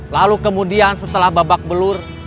lalu kemudian setelah babak belur